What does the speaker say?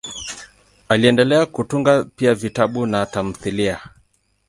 Aliendelea kutunga pia vitabu na tamthiliya.